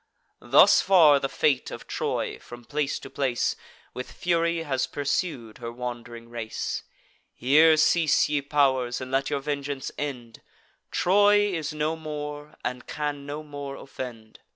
Thus far the fate of Troy, from place to place, With fury has pursued her wand'ring race. Here cease, ye pow'rs, and let your vengeance end: Troy is no more, and can no more offend.